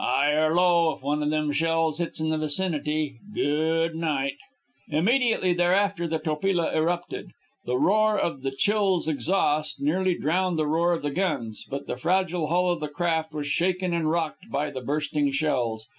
"High or low, if one of them shells hits in the vicinity good night!" Immediately thereafter the Topila erupted. The roar of the Chill's exhaust nearly drowned the roar of the guns, but the fragile hull of the craft was shaken and rocked by the bursting shells.